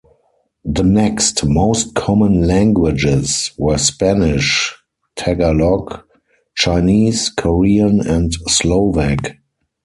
The next most common languages were Spanish, Tagalog, Chinese, Korean, and Slovak.